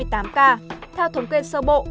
theo thống kênh sơ bộ